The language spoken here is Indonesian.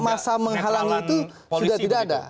masa menghalangi itu sudah tidak ada